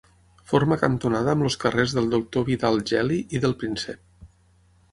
Forma cantonada amb els carrers del Doctor Vidal Geli i del Príncep.